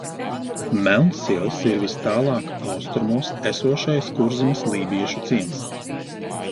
Melnsils ir vistālāk austrumos esošais Kurzemes lībiešu ciems.